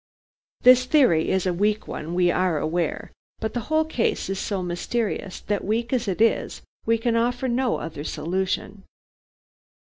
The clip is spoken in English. This theory is a weak one, we are aware, but the whole case is so mysterious that, weak as it is, we can offer no other solution.